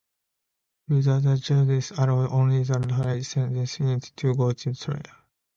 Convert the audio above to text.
Further, the judge allowed only the trade secrets claim to go to trial.